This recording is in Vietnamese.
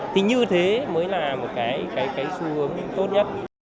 thì như thế mới là một cái xu hướng tốt nhất